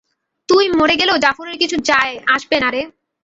তুই মরে গেলেও জাফরের কিচ্ছু যায় আসবে না রে।